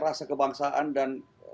rasa kebangsaan dan